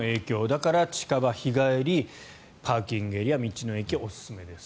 だから近場、日帰りパーキングエリア、道の駅がおすすめですよと。